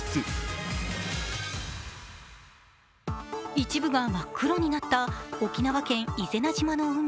一部が真っ黒になった沖縄県伊是名島の海。